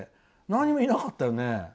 何もいなかったよね」。